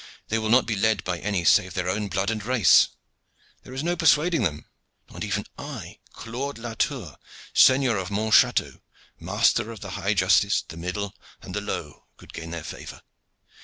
They will not be led by any save their own blood and race. There is no persuading them. Not even I, Claude Latour Seigneur of Montchateau, master of the high justice, the middle and the low, could gain their favor.